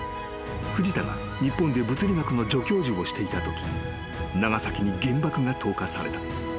藤田が日本で物理学の助教授をしていたとき長崎に原爆が投下された］